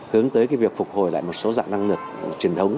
hướng tới cái việc phục hồi lại một số dạng năng lượng truyền thống